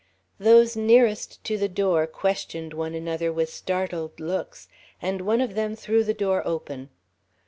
Those nearest to the door questioned one another with startled looks, and one of them threw the door open.